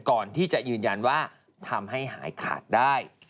ก่อนที่จะยืนยันว่าทำให้หายขาดได้